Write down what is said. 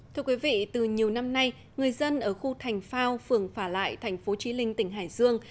thưa quý vị từ nhiều năm nay người dân ở khu thành phao phường phả lại thành phố trí linh tỉnh hải dương